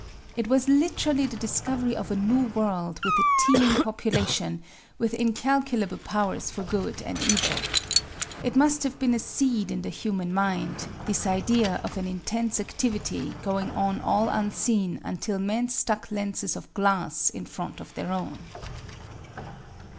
It was literally the discovery of a new world with a teeming population, with incalculable powers for good and evil. It itiust have been a seed in the human mind, this idea of an intense activity going on all unseen until men stuck lenses of glass in front of their own.